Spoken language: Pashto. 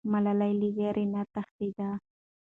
ملالۍ له ویرې نه تښتېده.